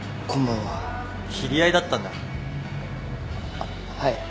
あっはい。